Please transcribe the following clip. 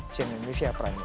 sini indonesia prime news